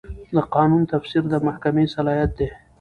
د قانون تفسیر د محکمې صلاحیت دی.